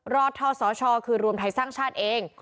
รอดท่อสอชอคือรวมไทยสร้างชาติเอง